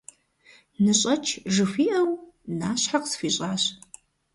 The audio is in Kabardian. «Ныщӏэкӏ!» - жыхуиӏэу, нащхьэ къысхуищӏащ.